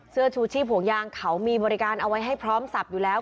เสื้อชูชีพห่วงยางเขามีบริการเอาไว้ให้พร้อมสับอยู่แล้ว